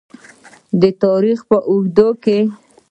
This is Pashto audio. د تاریخ په اوږدو کې.